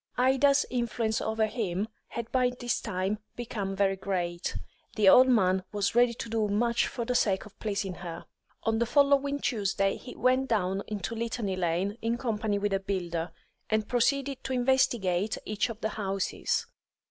Ida's influence over him had by this time become very great; the old man was ready to do much for the sake of pleasing her. On the following Tuesday he went down into Litany Lane in company with a builder, and proceeded to investigate each of the houses.